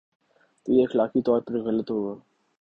تو یہ اخلاقی طور پر غلط ہو گا۔